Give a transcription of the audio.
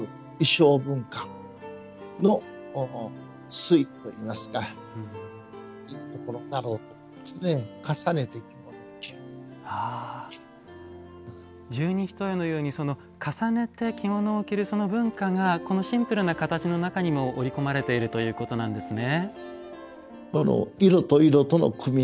そして十二ひとえのように重ねて着物を着るその文化がこのシンプルな形の中にも織り込まれているということなんですね。